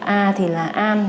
a thì là am